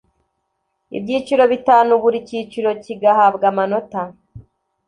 ibyiciro bitanu buri cyiciro kigahabwa amanota